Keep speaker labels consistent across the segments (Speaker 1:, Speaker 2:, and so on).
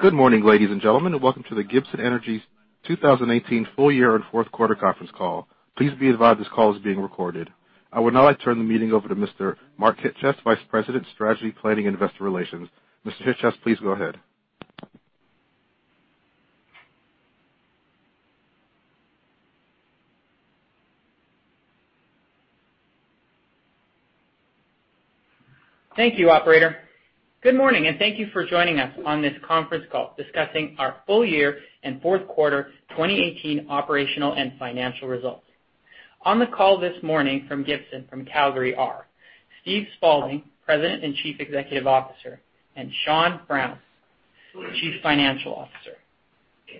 Speaker 1: Good morning, ladies and gentlemen, and welcome to the Gibson Energy 2018 full year and fourth quarter conference call. Please be advised this call is being recorded. I would now like to turn the meeting over to Mr. Mark Chyc-Cies, Vice President, Strategy, Planning, and Investor Relations. Mr. Chyc-Cies, please go ahead.
Speaker 2: Thank you, operator. Good morning, and thank you for joining us on this conference call discussing our full year and fourth quarter 2018 operational and financial results. On the call this morning from Gibson from Calgary are Steve Spaulding, President and Chief Executive Officer, and Sean Brown, Chief Financial Officer.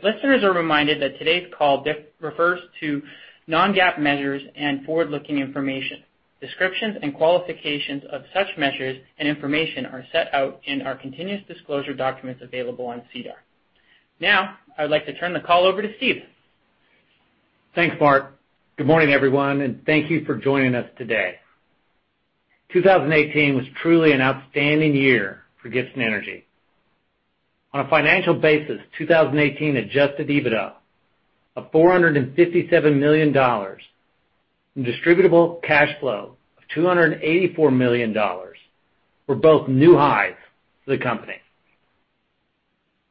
Speaker 2: Listeners are reminded that today's call refers to non-GAAP measures and forward-looking information. Descriptions and qualifications of such measures and information are set out in our continuous disclosure documents available on SEDAR. I'd like to turn the call over to Steve.
Speaker 3: Thanks, Mark. Good morning, everyone, and thank you for joining us today. 2018 was truly an outstanding year for Gibson Energy. On a financial basis, 2018 adjusted EBITDA of 457 million dollars and distributable cash flow of 284 million dollars were both new highs for the company.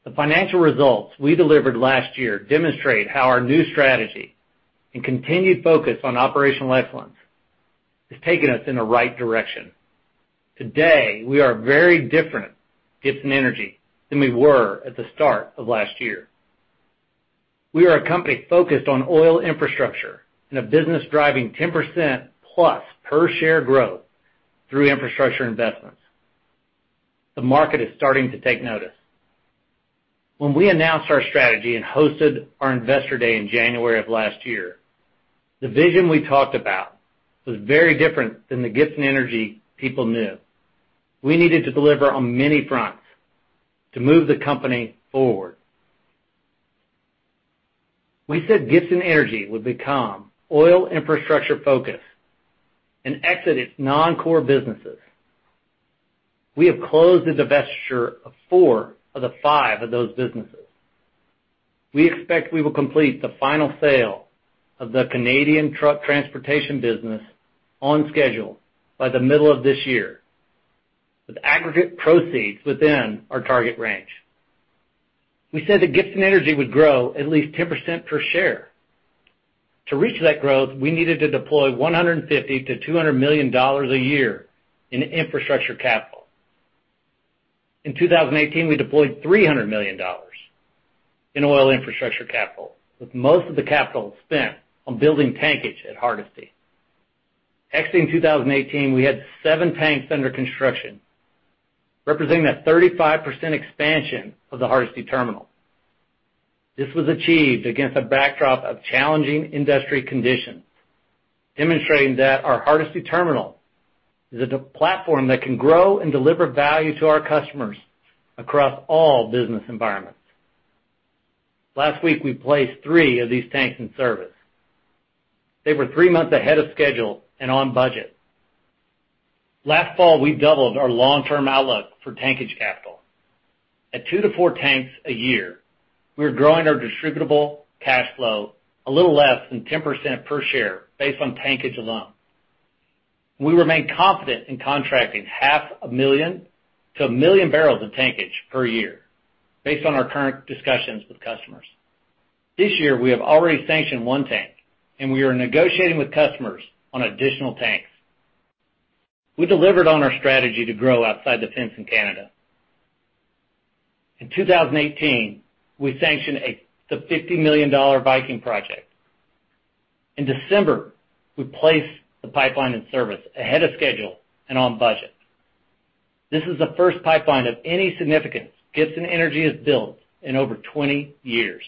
Speaker 3: The financial results we delivered last year demonstrate how our new strategy and continued focus on operational excellence has taken us in the right direction. Today, we are a very different Gibson Energy than we were at the start of last year. We are a company focused on oil infrastructure and a business driving 10%+ per share growth through infrastructure investments. The market is starting to take notice. When we announced our strategy and hosted our investor day in January of last year, the vision we talked about was very different than the Gibson Energy people knew. We needed to deliver on many fronts to move the company forward. We said Gibson Energy would become oil infrastructure-focused and exit its non-core businesses. We have closed the divestiture of four of the five of those businesses. We expect we will complete the final sale of the Canadian truck transportation business on schedule by the middle of this year, with aggregate proceeds within our target range. We said that Gibson Energy would grow at least 10% per share. To reach that growth, we needed to deploy 150 million-200 million dollars a year in infrastructure capital. In 2018, we deployed 300 million dollars in oil infrastructure capital, with most of the capital spent on building tankage at Hardisty. Exiting 2018, we had seven tanks under construction, representing a 35% expansion of the Hardisty terminal. This was achieved against a backdrop of challenging industry conditions, demonstrating that our Hardisty terminal is a platform that can grow and deliver value to our customers across all business environments. Last week, we placed three of these tanks in service. They were three months ahead of schedule and on budget. Last fall, we doubled our long-term outlook for tankage capital. At two to four tanks a year, we are growing our distributable cash flow a little less than 10% per share based on tankage alone. We remain confident in contracting half a million to a million barrels of tankage per year based on our current discussions with customers. This year, we have already sanctioned one tank, and we are negotiating with customers on additional tanks. We delivered on our strategy to grow outside the fence in Canada. In 2018, we sanctioned the 50 million dollar Viking project. In December, we placed the pipeline in service ahead of schedule and on budget. This is the first pipeline of any significance Gibson Energy has built in over 20 years.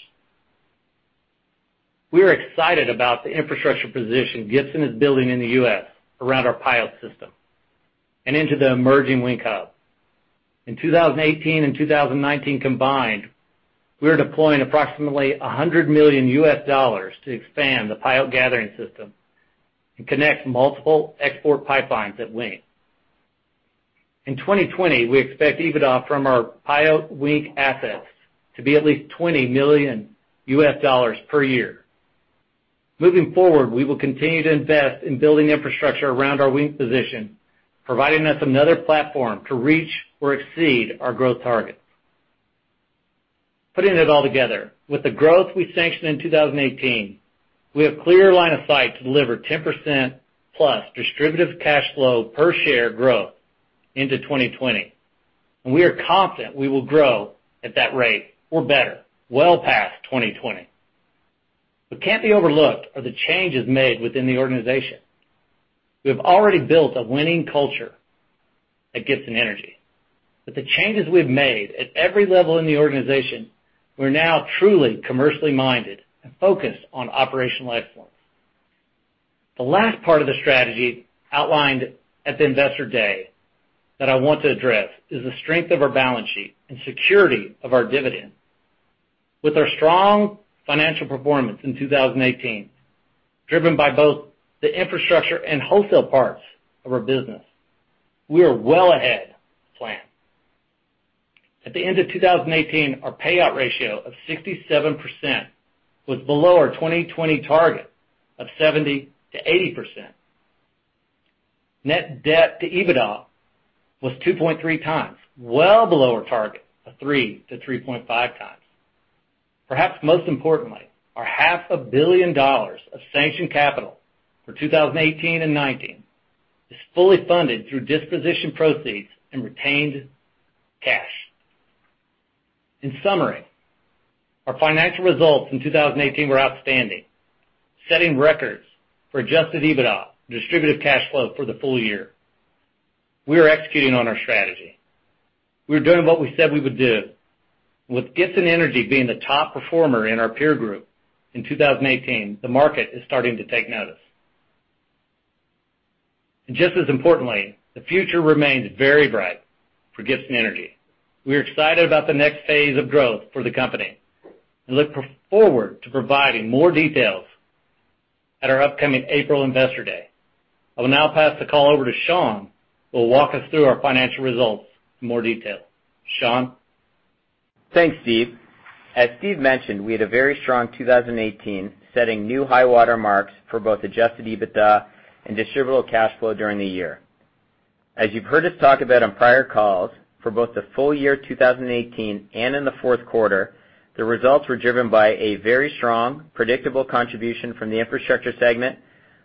Speaker 3: We are excited about the infrastructure position Gibson is building in the U.S. around our Pyote system and into the emerging Wink hub. In 2018 and 2019 combined, we are deploying approximately $100 million US dollars to expand the Pyote gathering system and connect multiple export pipelines at Wink. In 2020, we expect EBITDA from our Pyote Wink assets to be at least $20 million US dollars per year. Moving forward, we will continue to invest in building infrastructure around our Wink position, providing us another platform to reach or exceed our growth targets. Putting it all together, with the growth we sanctioned in 2018, we have clear line of sight to deliver 10% plus distributable cash flow per share growth into 2020. We are confident we will grow at that rate or better, well past 2020. What can't be overlooked are the changes made within the organization. We have already built a winning culture at Gibson Energy. With the changes we've made at every level in the organization, we're now truly commercially minded and focused on operational excellence. The last part of the strategy outlined at the investor day that I want to address is the strength of our balance sheet and security of our dividend. With our strong financial performance in 2018, driven by both the infrastructure and wholesale parts of our business, we are well ahead of plan. At the end of 2018, our payout ratio of 67% was below our 2020 target of 70%-80%. Net debt to EBITDA was 2.3 times, well below our target of 3 to 3.5 times. Perhaps most importantly, our half a billion CAD of sanctioned capital for 2018 and 2019 is fully funded through disposition proceeds and retained cash. In summary, our financial results in 2018 were outstanding, setting records for adjusted EBITDA distributable cash flow for the full year. We are executing on our strategy. We are doing what we said we would do. With Gibson Energy being the top performer in our peer group in 2018, the market is starting to take notice. Just as importantly, the future remains very bright for Gibson Energy. We are excited about the next phase of growth for the company and look forward to providing more details at our upcoming April investor day. I will now pass the call over to Sean, who will walk us through our financial results in more detail. Sean?
Speaker 4: Thanks, Steve. As Steve mentioned, we had a very strong 2018, setting new high water marks for both adjusted EBITDA and distributable cash flow during the year. As you've heard us talk about on prior calls, for both the full year 2018 and in the fourth quarter, the results were driven by a very strong, predictable contribution from the infrastructure segment,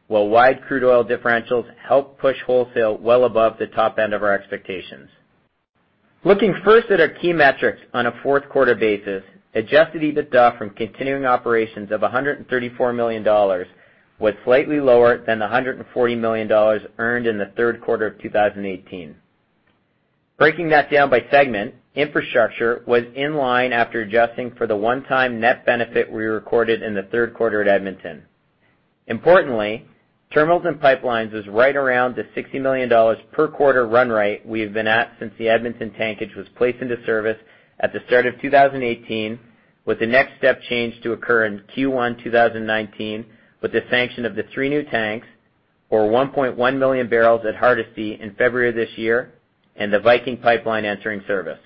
Speaker 4: while wide crude oil differentials helped push wholesale well above the top end of our expectations. Looking first at our key metrics on a fourth quarter basis, adjusted EBITDA from continuing operations of 134 million dollars was slightly lower than the 140 million dollars earned in the third quarter of 2018. Breaking that down by segment, infrastructure was in line after adjusting for the one-time net benefit we recorded in the third quarter at Edmonton. Importantly, terminals and pipelines was right around the 60 million dollars per quarter run rate we have been at since the Edmonton tankage was placed into service at the start of 2018, with the next step change to occur in Q1 2019 with the sanction of the three new tanks, or 1.1 million barrels at Hardisty in February of this year, and the Viking pipeline entering service.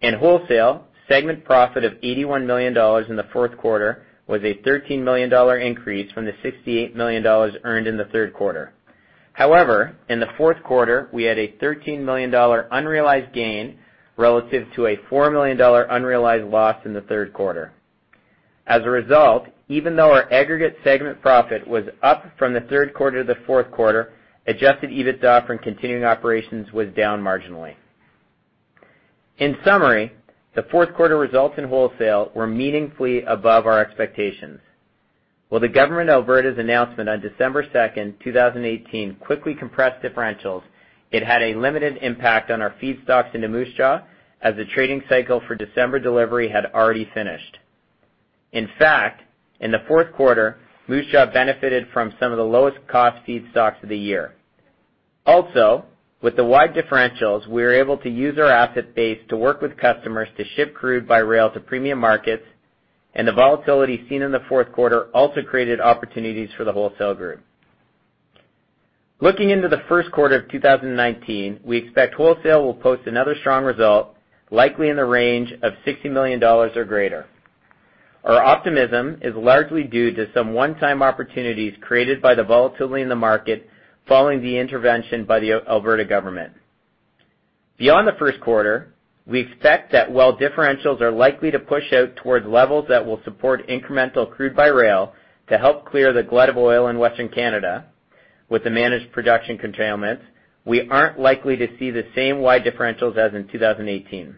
Speaker 4: In wholesale, segment profit of 81 million dollars in the fourth quarter was a 13 million dollar increase from the 68 million dollars earned in the third quarter. However, in the fourth quarter, we had a 13 million dollar unrealized gain relative to a 4 million dollar unrealized loss in the third quarter. As a result, even though our aggregate segment profit was up from the third quarter to the fourth quarter, adjusted EBITDA from continuing operations was down marginally. In summary, the fourth quarter results in wholesale were meaningfully above our expectations. While the government of Alberta's announcement on December second, 2018 quickly compressed differentials, it had a limited impact on our feedstocks into Moose Jaw as the trading cycle for December delivery had already finished. In fact, in the fourth quarter, Moose Jaw benefited from some of the lowest cost feedstocks of the year. Also, with the wide differentials, we were able to use our asset base to work with customers to ship crude by rail to premium markets, and the volatility seen in the fourth quarter also created opportunities for the wholesale group. Looking into the first quarter of 2019, we expect wholesale will post another strong result, likely in the range of 60 million dollars or greater. Our optimism is largely due to some one-time opportunities created by the volatility in the market following the intervention by the Alberta government. Beyond the first quarter, we expect that while differentials are likely to push out towards levels that will support incremental crude by rail to help clear the glut of oil in Western Canada with the managed production curtailment, we aren't likely to see the same wide differentials as in 2018.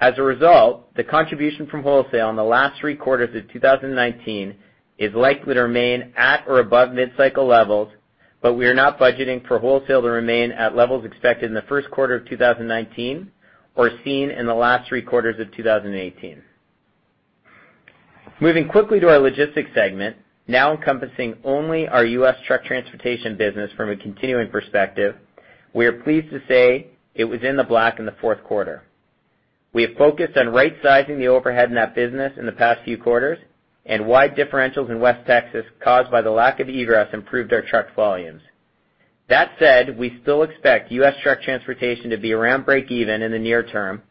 Speaker 4: As a result, the contribution from wholesale in the last 3 quarters of 2019 is likely to remain at or above mid-cycle levels, but we are not budgeting for wholesale to remain at levels expected in the first quarter of 2019 or seen in the last 3 quarters of 2018. Moving quickly to our logistics segment, now encompassing only our U.S. truck transportation business from a continuing perspective, we are pleased to say it was in the black in the fourth quarter. Wide differentials in West Texas caused by the lack of egress improved our truck volumes. We have focused on right-sizing the overhead in that business in the past few quarters. We still expect U.S. truck transportation to be around break even in the near term,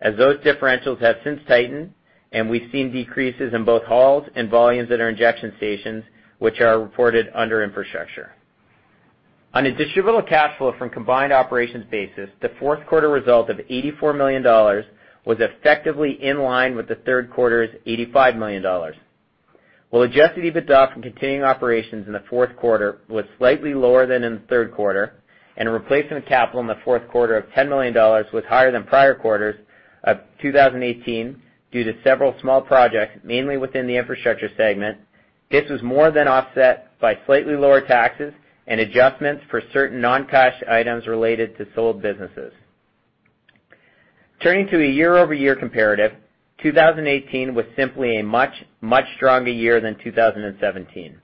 Speaker 4: as those differentials have since tightened, and we've seen decreases in both hauls and volumes at our injection stations, which are reported under infrastructure. On a distributable cash flow from combined operations basis, the fourth quarter result of 84 million dollars was effectively in line with the third quarter's 85 million dollars. While adjusted EBITDA from continuing operations in the fourth quarter was slightly lower than in the third quarter. Replacement capital in the fourth quarter of 10 million dollars was higher than prior quarters of 2018 due to several small projects, mainly within the infrastructure segment, this was more than offset by slightly lower taxes and adjustments for certain non-cash items related to sold businesses. Turning to a year-over-year comparative, 2018 was simply a much, much stronger year than 2017.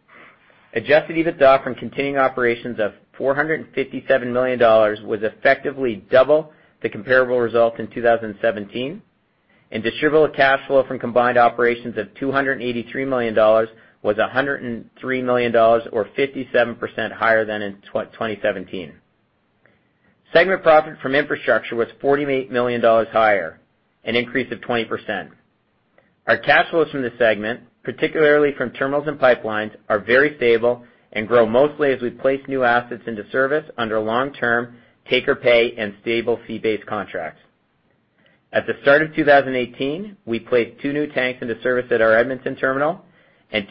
Speaker 4: Adjusted EBITDA from continuing operations of 457 million dollars was effectively double the comparable result in 2017. Distributable cash flow from combined operations of 283 million dollars was 103 million dollars, or 57% higher than in 2017. Segment profit from infrastructure was 48 million dollars higher, an increase of 20%. Our cash flows from this segment, particularly from terminals and pipelines, are very stable and grow mostly as we place new assets into service under long-term take-or-pay and stable fee-based contracts. At the start of 2018, we placed two new tanks into service at our Edmonton terminal.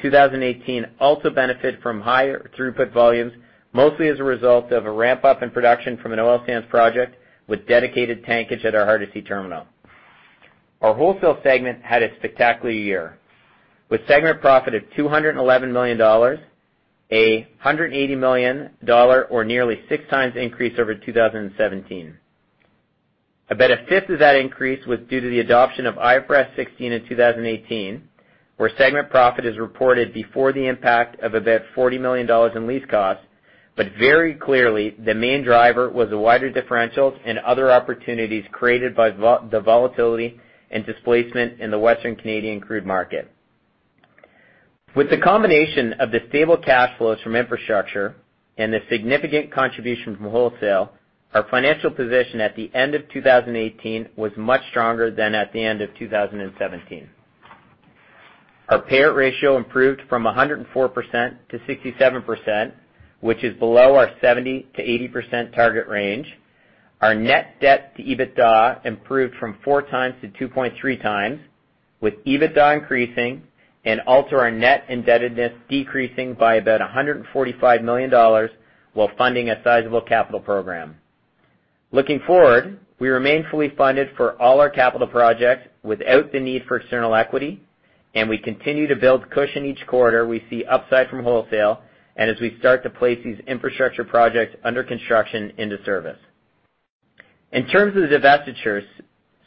Speaker 4: 2018 also benefited from higher throughput volumes, mostly as a result of a ramp-up in production from an oil sands project with dedicated tankage at our Hardisty terminal. Our wholesale segment had a spectacular year, with segment profit of 211 million dollars, 180 million dollar, or nearly 6 times increase over 2017. About a fifth of that increase was due to the adoption of IFRS 16 in 2018, where segment profit is reported before the impact of about 40 million dollars in lease costs. Very clearly, the main driver was the wider differentials and other opportunities created by the volatility and displacement in the Western Canadian crude market. With the combination of the stable cash flows from infrastructure and the significant contribution from wholesale, our financial position at the end of 2018 was much stronger than at the end of 2017. Our Payout ratio improved from 104% to 67%, which is below our 70%-80% target range. Our net debt to EBITDA improved from four times to 2.3 times, with EBITDA increasing and also our net indebtedness decreasing by about 145 million dollars while funding a sizable capital program. Looking forward, we remain fully funded for all our capital projects without the need for external equity, and we continue to build cushion each quarter, we see upside from wholesale and as we start to place these infrastructure projects under construction into service. In terms of the divestitures,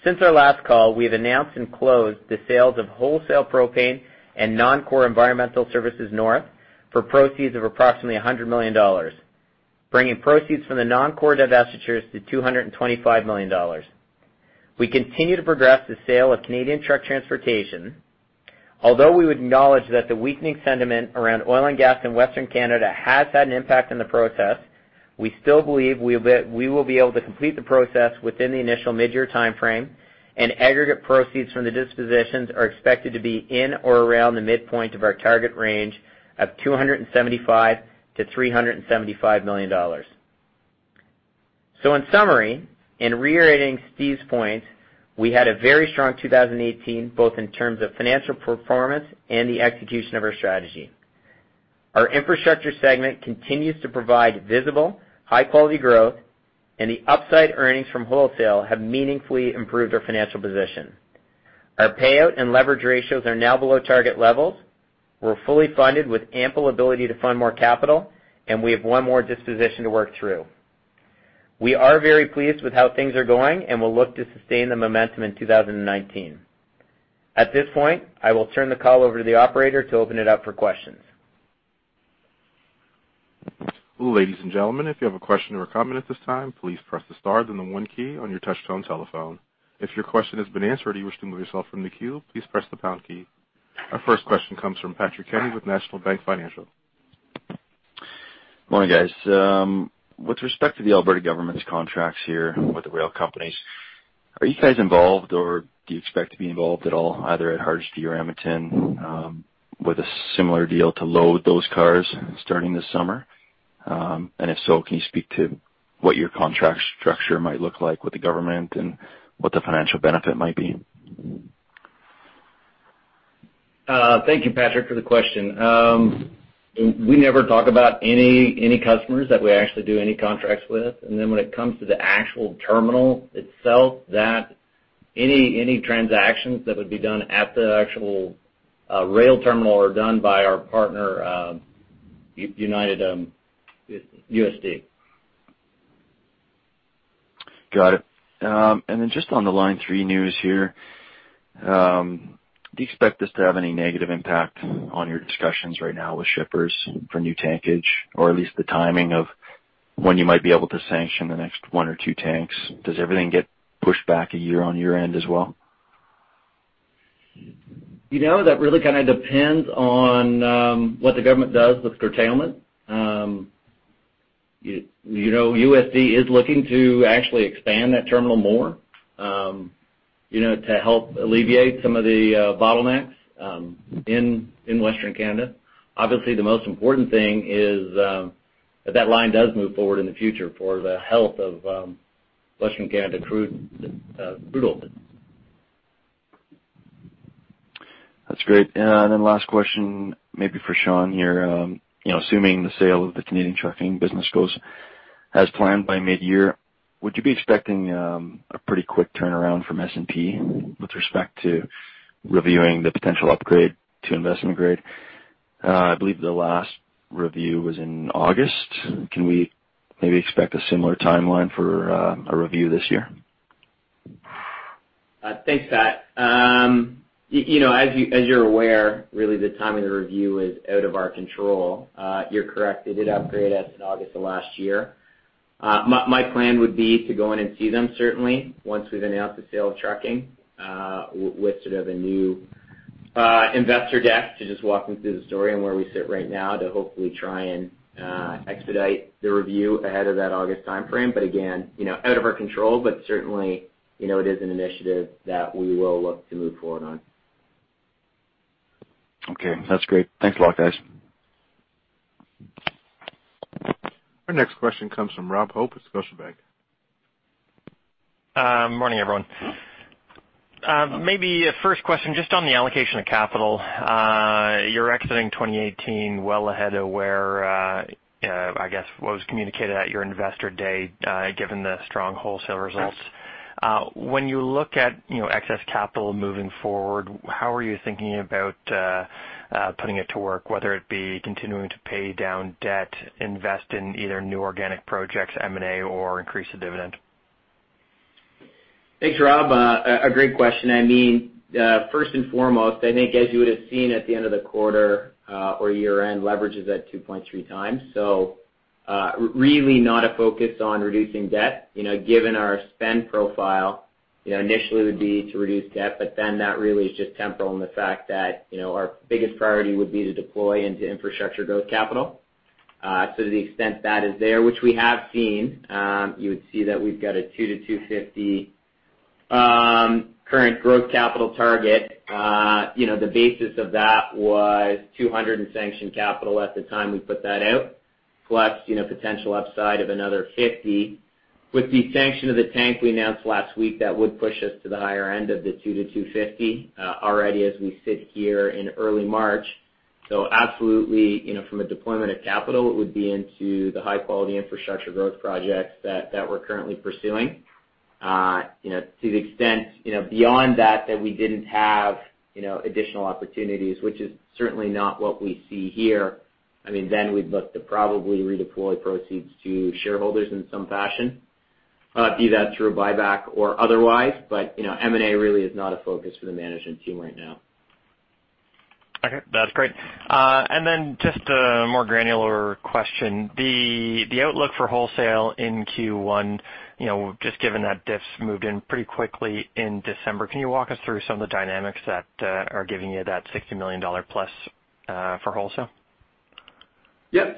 Speaker 4: since our last call, we have announced and closed the sales of wholesale propane and non-core Environmental Services North for proceeds of approximately 100 million dollars, bringing proceeds from the non-core divestitures to 225 million dollars. We continue to progress the sale of Canadian truck transportation. Although we would acknowledge that the weakening sentiment around oil and gas in Western Canada has had an impact on the process, we still believe we will be able to complete the process within the initial mid-year timeframe, and aggregate proceeds from the dispositions are expected to be in or around the midpoint of our target range of 275 million-375 million dollars. In summary, in reiterating Steve's point, we had a very strong 2018, both in terms of financial performance and the execution of our strategy. Our infrastructure segment continues to provide visible, high-quality growth, and the upside earnings from wholesale have meaningfully improved our financial position. Our Pyote and leverage ratios are now below target levels. We are fully funded with ample ability to fund more capital, and we have one more disposition to work through. We are very pleased with how things are going and will look to sustain the momentum in 2019. At this point, I will turn the call over to the operator to open it up for questions.
Speaker 1: Ladies and gentlemen, if you have a question or a comment at this time, please press the star then the 1 key on your touch-tone telephone. If your question has been answered or you wish to remove yourself from the queue, please press the pound key. Our first question comes from Patrick Kenny with National Bank Financial.
Speaker 5: Morning, guys. With respect to the Alberta government's contracts here with the rail companies, are you guys involved, or do you expect to be involved at all, either at Hardisty or Edmonton, with a similar deal to load those cars starting this summer? If so, can you speak to what your contract structure might look like with the government and what the financial benefit might be?
Speaker 4: Thank you, Patrick, for the question. We never talk about any customers that we actually do any contracts with. When it comes to the actual terminal itself, any transactions that would be done at the actual rail terminal are done by our partner, USD.
Speaker 5: Got it. Just on the Line 3 news here, do you expect this to have any negative impact on your discussions right now with shippers for new tankage? At least the timing of when you might be able to sanction the next one or two tanks. Does everything get pushed back a year on your end as well?
Speaker 4: That really kind of depends on what the government does with curtailment. USD is looking to actually expand that terminal more to help alleviate some of the bottlenecks in Western Canada. Obviously, the most important thing is that that line does move forward in the future for the health of Western Canada crude oil.
Speaker 5: That's great. Last question, maybe for Sean here. Assuming the sale of the Canadian trucking business goes as planned by midyear, would you be expecting a pretty quick turnaround from S&P with respect to reviewing the potential upgrade to investment grade? I believe the last review was in August. Can we maybe expect a similar timeline for a review this year?
Speaker 4: Thanks, Pat. As you're aware, really the timing of the review is out of our control. You're correct, they did upgrade us in August of last year. My plan would be to go in and see them, certainly, once we've announced the sale of trucking, with sort of a new investor deck to just walk them through the story and where we sit right now to hopefully try and expedite the review ahead of that August timeframe. Again, out of our control, certainly, it is an initiative that we will look to move forward on.
Speaker 5: Okay, that's great. Thanks a lot, guys.
Speaker 1: Our next question comes from Robert Hope at Scotiabank.
Speaker 6: Morning, everyone. Maybe a first question, just on the allocation of capital. You're exiting 2018 well ahead of where, I guess, what was communicated at your investor day, given the strong wholesale results. When you look at excess capital moving forward, how are you thinking about putting it to work, whether it be continuing to pay down debt, invest in either new organic projects, M&A, or increase the dividend?
Speaker 4: Thanks, Rob. A great question. First and foremost, I think as you would've seen at the end of the quarter or year-end, leverage is at 2.3 times. Really not a focus on reducing debt. Given our spend profile, initially it would be to reduce debt, that really is just temporal in the fact that our biggest priority would be to deploy into infrastructure growth capital. To the extent that is there, which we have seen, you would see that we've got a 200 million-250 million current growth capital target. The basis of that was 200 million in sanctioned capital at the time we put that out, plus potential upside of another 50 million. With the sanction of the tank we announced last week, that would push us to the higher end of the 200 million-250 million already as we sit here in early March. Absolutely, from a deployment of capital, it would be into the high-quality infrastructure growth projects that we're currently pursuing. To the extent beyond that we didn't have additional opportunities, which is certainly not what we see here, we'd look to probably redeploy proceeds to shareholders in some fashion, be that through a buyback or otherwise. M&A really is not a focus for the management team right now.
Speaker 6: Okay, that's great. Just a more granular question. The outlook for wholesale in Q1, just given that diffs moved in pretty quickly in December, can you walk us through some of the dynamics that are giving you that 60 million dollar-plus for wholesale?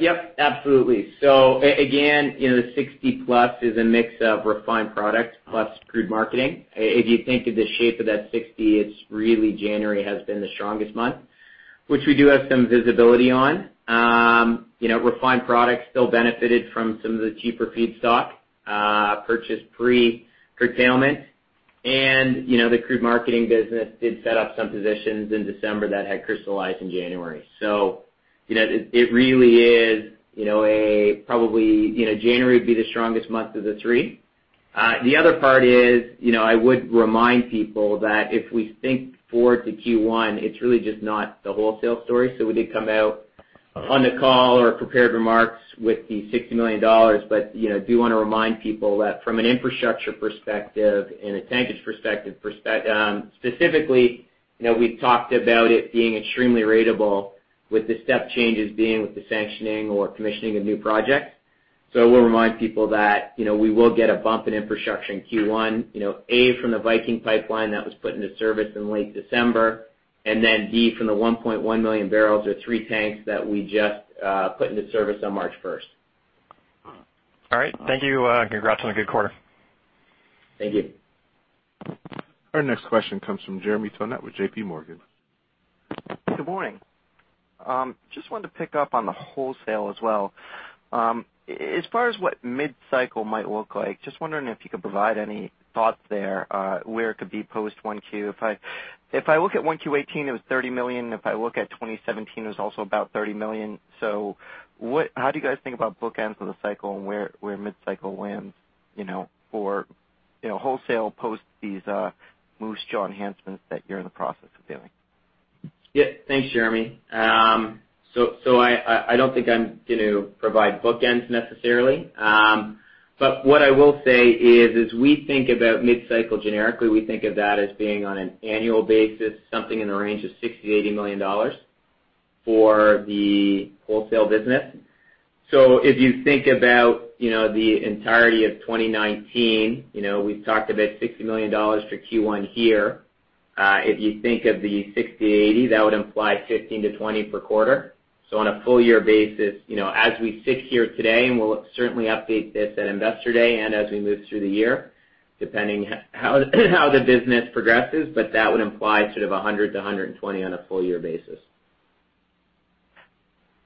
Speaker 4: Yep. Absolutely. Again, the 60-plus is a mix of refined product plus crude marketing. If you think of the shape of that 60, it is really January has been the strongest month, which we do have some visibility on. Refined products still benefited from some of the cheaper feedstock purchased pre-curtailment. The crude marketing business did set up some positions in December that had crystallized in January. It really is probably January would be the strongest month of the three. The other part is, I would remind people that if we think forward to Q1, it is really just not the wholesale story. We did come out on the call or prepared remarks with the 60 million dollars. I do want to remind people that from an infrastructure perspective and a tankage perspective, specifically, we have talked about it being extremely ratable with the step changes being with the sanctioning or commissioning of new projects. I will remind people that we will get a bump in infrastructure in Q1, A from the Viking pipeline that was put into service in late December, and then B from the 1.1 million barrels or three tanks that we just put into service on March 1st.
Speaker 6: All right. Thank you. Congrats on a good quarter.
Speaker 4: Thank you.
Speaker 1: Our next question comes from Jeremy Tonet with J.P. Morgan.
Speaker 7: Good morning. Just wanted to pick up on the wholesale as well. As far as what mid-cycle might look like, just wondering if you could provide any thoughts there, where it could be post 1Q. If I look at 1Q 2018, it was 30 million. If I look at 2017, it was also about 30 million. How do you guys think about bookends of the cycle and where mid-cycle lands for wholesale post these Moose Jaw enhancements that you're in the process of doing?
Speaker 4: Yeah. Thanks, Jeremy. I don't think I'm going to provide bookends necessarily. What I will say is, as we think about mid-cycle generically, we think of that as being on an annual basis, something in the range of 60 million-80 million dollars for the wholesale business. If you think about the entirety of 2019, we've talked about 60 million dollars for Q1 here. If you think of the 60-80, that would imply 15-20 per quarter. On a full year basis, as we sit here today, and we'll certainly update this at Investor Day and as we move through the year, depending how the business progresses, that would imply sort of 100-120 on a full year basis.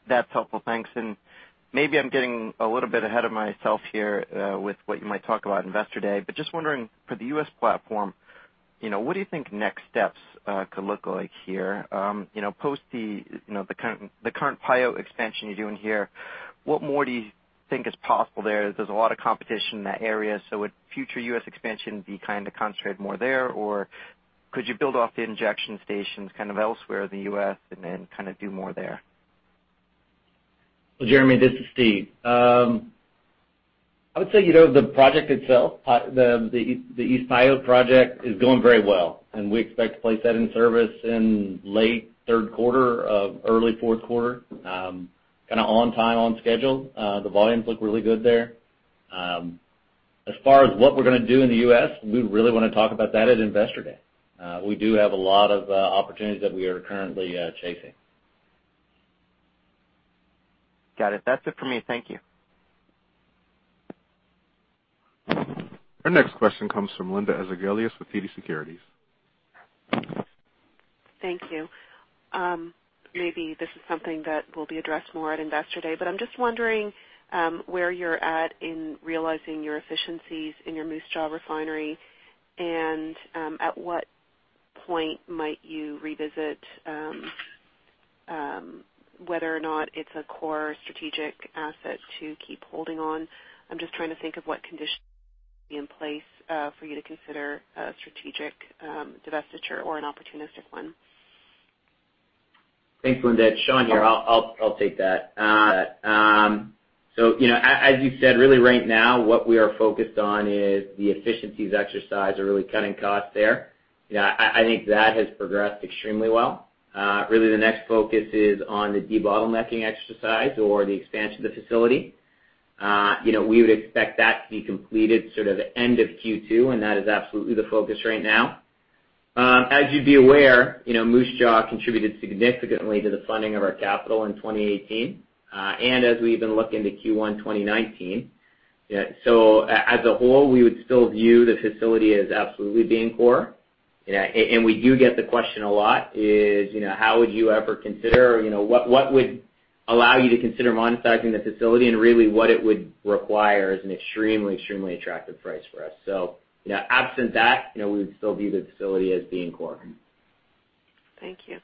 Speaker 7: That's helpful. Thanks. Maybe I'm getting a little bit ahead of myself here with what you might talk about at Investor Day. Just wondering, for the U.S. platform, what do you think next steps could look like here? Post the current Pyote expansion you're doing here, what more do you think is possible there? There's a lot of competition in that area, would future U.S. expansion be kind of concentrated more there, or could you build off the injection stations kind of elsewhere in the U.S. and then kind of do more there?
Speaker 3: Jeremy, this is Steve. I would say, the project itself, the East Mayo project is going very well, and we expect to place that in service in late third quarter or early fourth quarter. On time, on schedule. The volumes look really good there. As far as what we're going to do in the U.S., we really want to talk about that at Investor Day. We do have a lot of opportunities that we are currently chasing.
Speaker 7: Got it. That's it for me. Thank you.
Speaker 1: Our next question comes from Linda Ezergailis with TD Securities.
Speaker 8: Thank you. Maybe this is something that will be addressed more at Investor Day, but I'm just wondering where you're at in realizing your efficiencies in your Moose Jaw refinery and at what point might you revisit whether or not it's a core strategic asset to keep holding on. I'm just trying to think of what conditions need to be in place for you to consider a strategic divestiture or an opportunistic one.
Speaker 4: Thanks, Linda. It's Sean here. I'll take that. As you said, really right now, what we are focused on is the efficiencies exercise or really cutting costs there. I think that has progressed extremely well. The next focus is on the debottlenecking exercise or the expansion of the facility. We would expect that to be completed end of Q2, and that is absolutely the focus right now. As you'd be aware, Moose Jaw contributed significantly to the funding of our capital in 2018. As we even look into Q1 2019. As a whole, we would still view the facility as absolutely being core. We do get the question a lot is, how would you ever consider, or what would allow you to consider monetizing the facility? Really what it would require is an extremely attractive price for us. Absent that, we would still view the facility as being core.
Speaker 8: Thank you.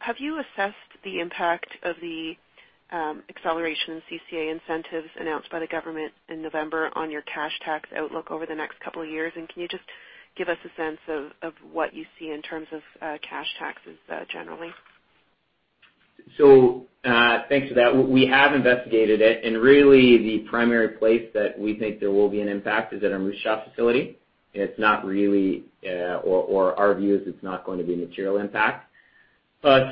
Speaker 8: Have you assessed the impact of the acceleration in CCA incentives announced by the government in November on your cash tax outlook over the next couple of years? Can you just give us a sense of what you see in terms of cash taxes generally?
Speaker 4: Thanks for that. We have investigated it, really the primary place that we think there will be an impact is at our Moose Jaw facility. Our view is it's not going to be a material impact.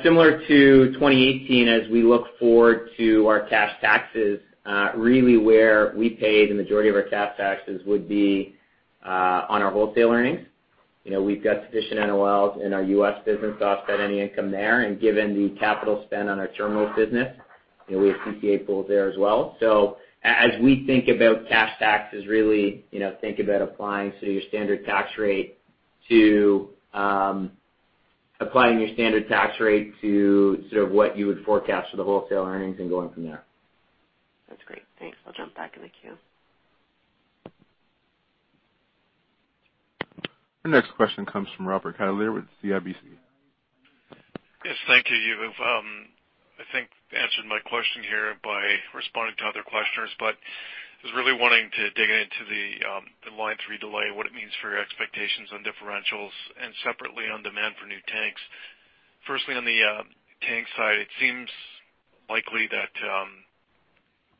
Speaker 4: Similar to 2018, as we look forward to our cash taxes, where we paid the majority of our cash taxes would be on our wholesale earnings. We've got sufficient NOLs in our U.S. business to offset any income there. Given the capital spend on our terminals business, we have CCA pools there as well. As we think about cash taxes, think about applying your standard tax rate to what you would forecast for the wholesale earnings and going from there.
Speaker 8: That's great. Thanks. I'll jump back in the queue.
Speaker 1: Our next question comes from Robert Catellier with CIBC.
Speaker 9: Yes. Thank you. You have, I think, answered my question here by responding to other questioners, but I was really wanting to dig into the Line 3 delay, what it means for your expectations on differentials, and separately on demand for new tanks. Firstly, on the tank side, it seems likely that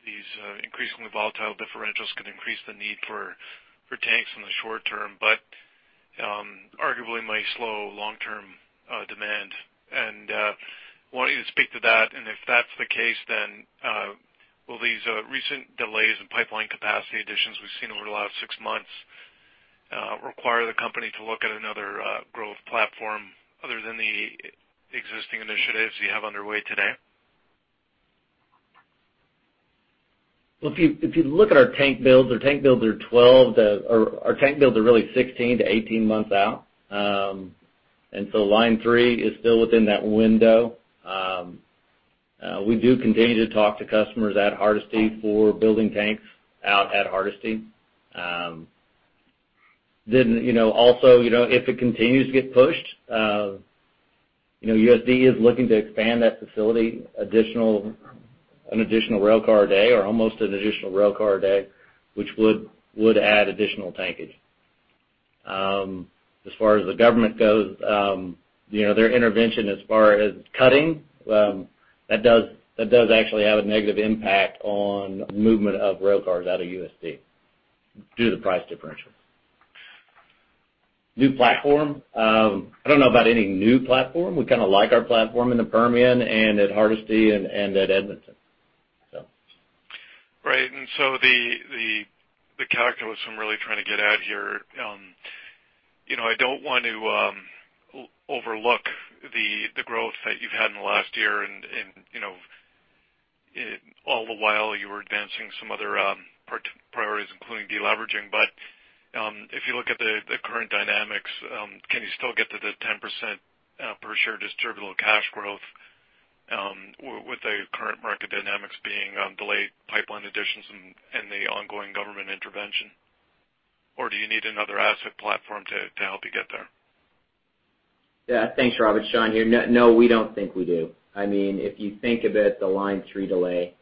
Speaker 9: these increasingly volatile differentials could increase the need for tanks in the short term, but arguably might slow long-term demand. Wanted you to speak to that, and if that's the case, will these recent delays in pipeline capacity additions we've seen over the last six months require the company to look at another growth platform other than the existing initiatives you have underway today?
Speaker 3: Well, if you look at our tank builds, our tank builds are really 16-18 months out. Line 3 is still within that window. We do continue to talk to customers at Hardisty for building tanks out at Hardisty. Also, if it continues to get pushed, USD is looking to expand that facility an additional rail car a day, or almost an additional rail car a day, which would add additional tankage. As far as the government goes, their intervention as far as cutting, that does actually have a negative impact on movement of rail cars out of USD due to price differentials. New platform? I don't know about any new platform. We kind of like our platform in the Permian and at Hardisty and at Edmonton, so.
Speaker 9: Right. The calculus I'm really trying to get at here, I don't want to overlook the growth that you've had in the last year and all the while you were advancing some other priorities, including de-leveraging. If you look at the current dynamics, can you still get to the 10% per share distributable cash growth with the current market dynamics being delayed pipeline additions and the ongoing government intervention? Do you need another asset platform to help you get there?
Speaker 4: Yeah. Thanks, Robert. Sean here. No, we don't think we do. If you think about the Line 3 delay.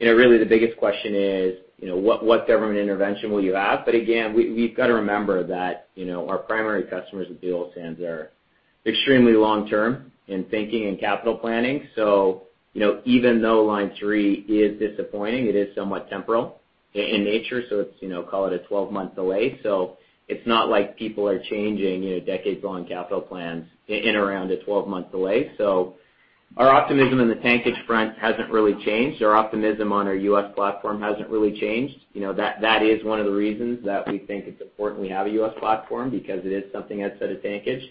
Speaker 4: Really the biggest question is, what government intervention will you have? Again, we've got to remember that our primary customers at the oil sands are extremely long-term in thinking and capital planning. Even though Line 3 is disappointing, it is somewhat temporal in nature, let's call it a 12-month delay. It's not like people are changing decades-long capital plans in around a 12-month delay. Our optimism in the tankage front hasn't really changed. Our optimism on our U.S. platform hasn't really changed. That is one of the reasons that we think it's important we have a U.S. platform because it is something outside of tankage.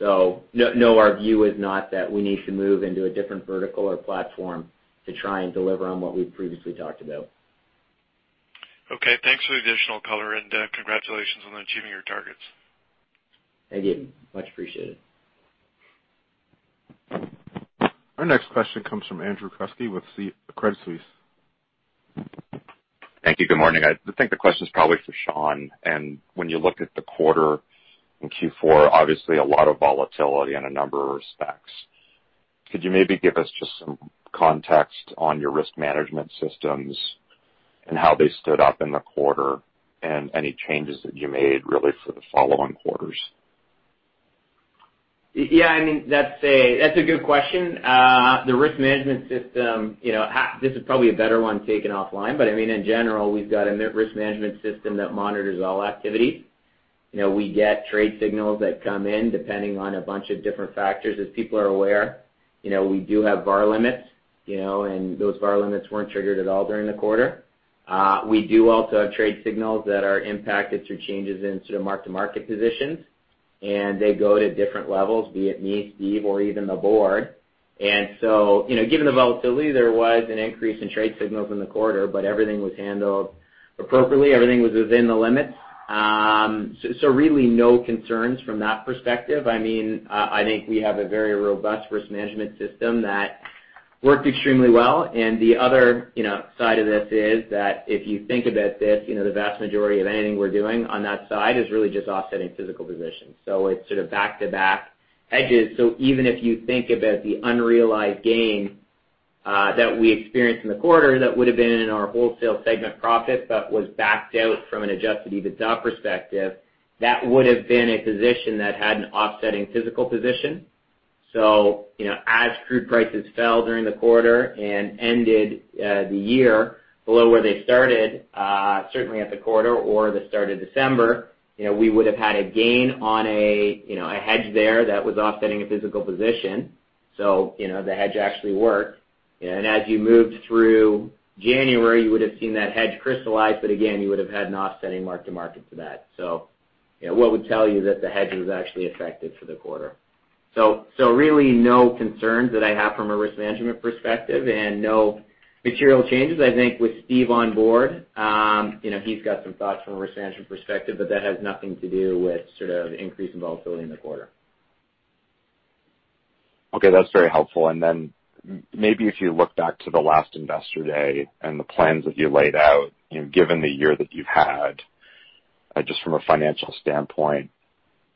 Speaker 4: No, our view is not that we need to move into a different vertical or platform to try and deliver on what we've previously talked about.
Speaker 9: Okay. Thanks for the additional color, congratulations on achieving your targets.
Speaker 4: Thank you. Much appreciated.
Speaker 1: Our next question comes from Andrew Kuske with Credit Suisse.
Speaker 10: Thank you. Good morning. I think the question is probably for Sean. When you look at the quarter in Q4, obviously a lot of volatility in a number of respects. Could you maybe give us just some context on your risk management systems and how they stood up in the quarter, and any changes that you made really for the following quarters?
Speaker 4: Yeah. That's a good question. The risk management system, this is probably a better one taken offline, but in general, we've got a risk management system that monitors all activity. We get trade signals that come in depending on a bunch of different factors. As people are aware, we do have VaR limits, and those VaR limits weren't triggered at all during the quarter. We do also have trade signals that are impacted through changes in sort of mark-to-market positions, and they go to different levels, be it me, Steve, or even the board. Given the volatility, there was an increase in trade signals in the quarter, but everything was handled appropriately. Everything was within the limits. Really no concerns from that perspective. I think we have a very robust risk management system that worked extremely well. The other side of this is that if you think about this, the vast majority of anything we're doing on that side is really just offsetting physical positions. It's sort of back-to-back hedges. Even if you think about the unrealized gain that we experienced in the quarter, that would've been in our wholesale segment profit, but was backed out from an adjusted EBITDA perspective. That would've been a position that had an offsetting physical position. As crude prices fell during the quarter and ended the year below where they started, certainly at the quarter or the start of December, we would've had a gain on a hedge there that was offsetting a physical position. The hedge actually worked. As you moved through January, you would've seen that hedge crystallize, but again, you would've had an offsetting mark-to-market to that. What would tell you that the hedge was actually effective for the quarter? Really no concerns that I have from a risk management perspective and no material changes. I think with Steve on board, he's got some thoughts from a risk management perspective, but that has nothing to do with sort of increase in volatility in the quarter.
Speaker 10: Okay. That's very helpful. Maybe if you look back to the last Investor Day and the plans that you laid out, given the year that you've had, just from a financial standpoint,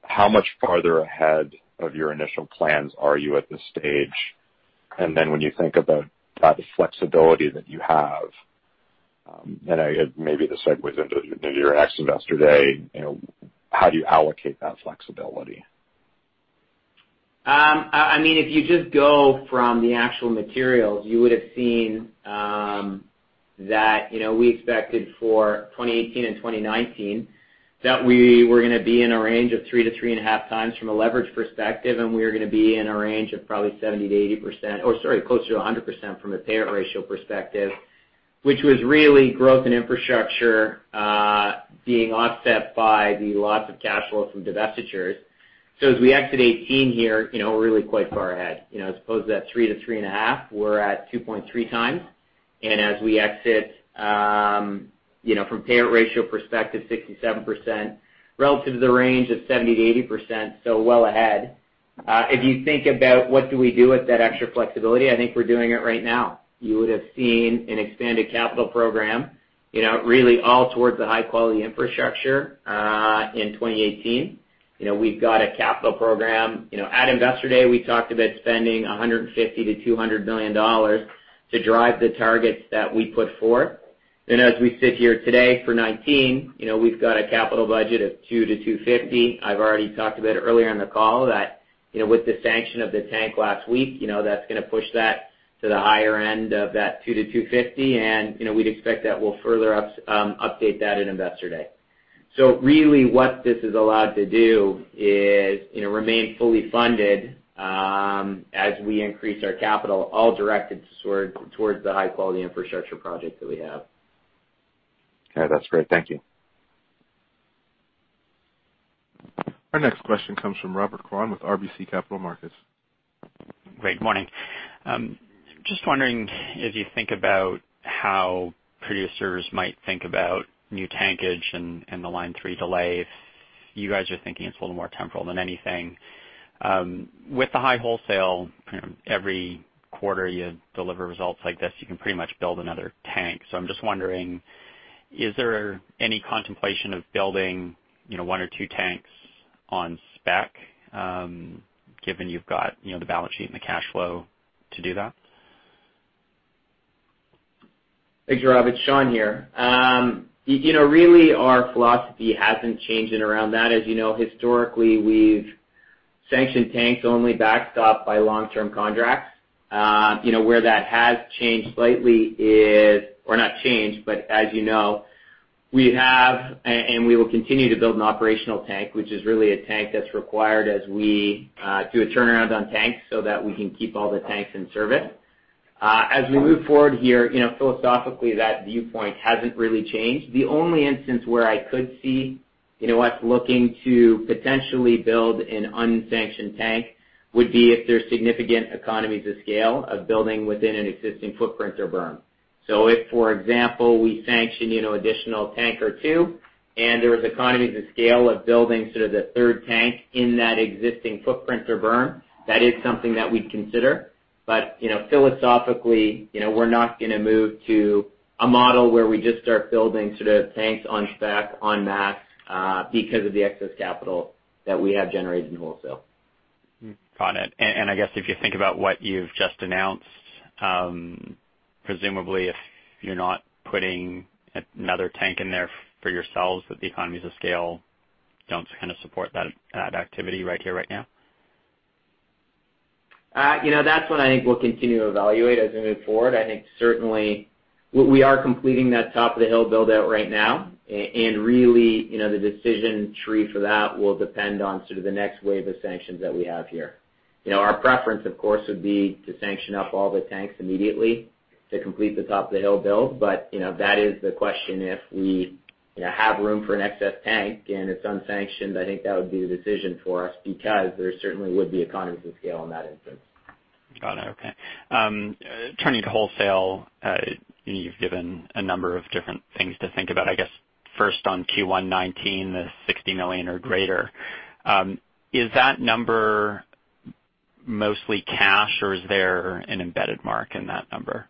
Speaker 10: how much farther ahead of your initial plans are you at this stage? When you think about the flexibility that you have, and maybe this segues into your next Investor Day, how do you allocate that flexibility?
Speaker 4: If you just go from the actual materials, you would've seen that we expected for 2018 and 2019 that we were going to be in a range of 3-3.5 times from a leverage perspective, and we were going to be in a range of probably 70%-80%, or sorry, closer to 100% from a Pyote ratio perspective, which was really growth in infrastructure being offset by the loss of cash flow from divestitures. As we exit 2018 here, we're really quite far ahead. As opposed to that 3 to 3.5, we're at 2.3 times. As we exit, from Pyote ratio perspective, 67% relative to the range of 70%-80%, well ahead. If you think about what do we do with that extra flexibility, I think we're doing it right now. You would've seen an expanded capital program really all towards the high-quality infrastructure in 2018. We've got a capital program. At Investor Day, we talked about spending 150 million to 200 million dollars to drive the targets that we put forth. As we sit here today for 2019, we've got a capital budget of 2 to 250. I've already talked about it earlier in the call that with the sanction of the tank last week, that's going to push that to the higher end of that 2 to 250, and we'd expect that we'll further update that at Investor Day. Really what this has allowed to do is remain fully funded as we increase our capital, all directed towards the high-quality infrastructure projects that we have.
Speaker 10: Okay. That's great. Thank you.
Speaker 1: Our next question comes from Robert Kwan with RBC Capital Markets.
Speaker 11: Great, morning. Just wondering, as you think about how producers might think about new tankage and the Line 3 delay, you guys are thinking it's a little more temporal than anything. With the high wholesale, every quarter you deliver results like this, you can pretty much build another tank. I'm just wondering, is there any contemplation of building one or two tanks on spec, given you've got the balance sheet and the cash flow to do that?
Speaker 4: Thanks, Robert. It's Sean here. Our philosophy hasn't changed around that. As you know, historically, we've sanctioned tanks only backstopped by long-term contracts. Where that has changed slightly is or not changed, but as you know, we have, and we will continue to build an operational tank, which is really a tank that's required as we do a turnaround on tanks so that we can keep all the tanks in service. As we move forward here, philosophically, that viewpoint hasn't really changed. The only instance where I could see us looking to potentially build an unsanctioned tank would be if there's significant economies of scale of building within an existing footprint or burn. If, for example, we sanction additional tank or two and there was economies of scale of building sort of the third tank in that existing footprint or burn, that is something that we'd consider. Philosophically, we're not going to move to a model where we just start building sort of tanks on spec, en masse, because of the excess capital that we have generated in wholesale.
Speaker 11: Got it. I guess if you think about what you've just announced, presumably if you're not putting another tank in there for yourselves, that the economies of scale don't kind of support that activity right here, right now?
Speaker 4: That's one I think we'll continue to evaluate as we move forward. Certainly we are completing that top of the hill build-out right now, really, the decision tree for that will depend on sort of the next wave of sanctions that we have here. Our preference, of course, would be to sanction up all the tanks immediately to complete the top of the hill build. That is the question, if we have room for an excess tank and it's unsanctioned, I think that would be the decision for us, because there certainly would be economies of scale in that instance.
Speaker 11: Got it. Okay. Turning to wholesale, you've given a number of different things to think about. I guess first on Q1 2019, the 60 million or greater. Is that number mostly cash, or is there an embedded mark in that number?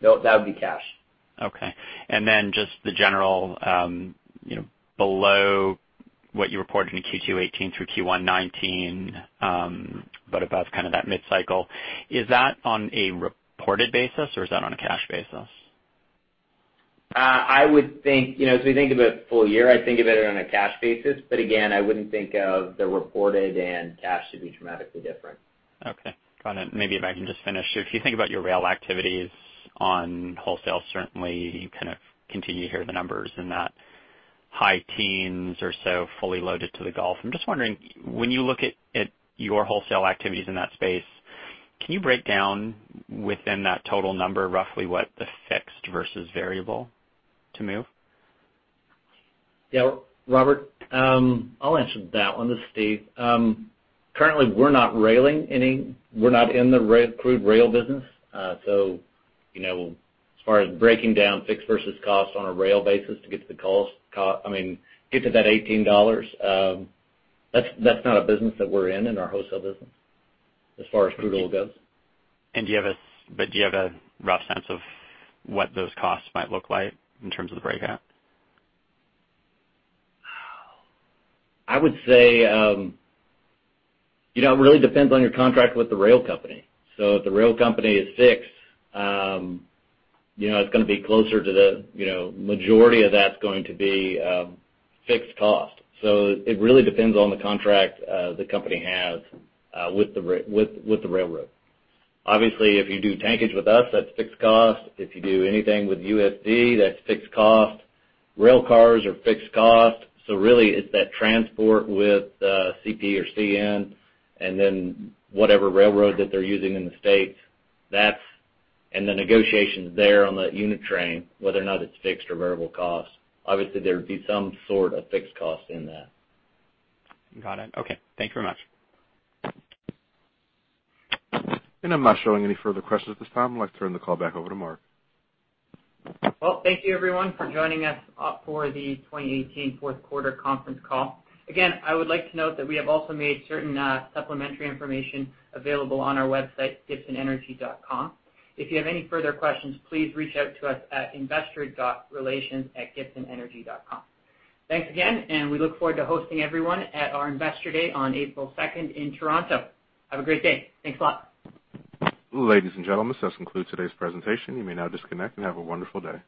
Speaker 4: No, that would be cash.
Speaker 11: Okay. Just the general below what you reported in Q2 2018 through Q1 2019, but above kind of that mid-cycle, is that on a reported basis or is that on a cash basis?
Speaker 4: As we think about full year, I think of it on a cash basis, but again, I wouldn't think of the reported and cash to be dramatically different.
Speaker 11: Okay, got it. Maybe if I can just finish. If you think about your rail activities on wholesale, certainly you kind of continue to hear the numbers in that high teens or so fully loaded to the Gulf. I'm just wondering, when you look at your wholesale activities in that space, can you break down within that total number roughly what the fixed versus variable to move?
Speaker 3: Yeah, Robert, I'll answer that one. This is Steve. Currently, we're not railing. We're not in the crude rail business. As far as breaking down fixed versus cost on a rail basis to get to that 18 dollars, that's not a business that we're in our wholesale business as far as crude oil goes.
Speaker 11: Do you have a rough sense of what those costs might look like in terms of the breakout?
Speaker 3: I would say, it really depends on your contract with the rail company. If the rail company is fixed, it's going to be closer to the majority of that's going to be fixed cost. It really depends on the contract the company has with the railroad. Obviously, if you do tankage with us, that's fixed cost. If you do anything with USD Group, that's fixed cost. Rail cars are fixed cost. Really, it's that transport with CP or CN and then whatever railroad that they're using in the U.S., and the negotiations there on the unit train, whether or not it's fixed or variable costs. Obviously, there'd be some sort of fixed cost in that.
Speaker 11: Got it. Okay. Thank you very much.
Speaker 1: I'm not showing any further questions at this time. I'd like to turn the call back over to Mark.
Speaker 2: Thank you everyone for joining us for the 2018 fourth quarter conference call. Again, I would like to note that we have also made certain supplementary information available on our website, gibsonenergy.com. If you have any further questions, please reach out to us at investor.relations@gibsonenergy.com. Thanks again, and we look forward to hosting everyone at our investor day on April 2nd in Toronto. Have a great day. Thanks a lot.
Speaker 1: Ladies and gentlemen, this concludes today's presentation. You may now disconnect, and have a wonderful day.